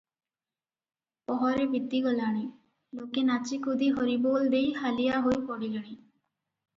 ପହରେ ବିତି ଗଲାଣି, ଲୋକେ ନାଚି କୁଦି ହରିବୋଲ ଦେଇ ହାଲିଆ ହୋଇ ପଡିଲେଣି ।